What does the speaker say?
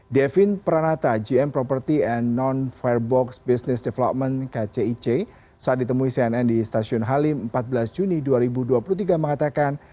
devin pranata gm property and non firebox business development kcic saat ditemui cnn di stasiun halim empat belas juni dua ribu dua puluh tiga mengatakan